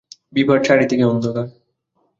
বিভার চারিদিকে অন্ধকার।